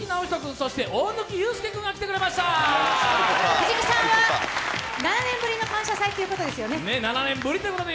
藤木さんは７年ぶりの「感謝祭」ということですよね。